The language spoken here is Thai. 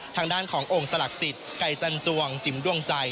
ทางด้านของโอ่งสลักจิตไก่จันจวงจิ๋มดวงใจ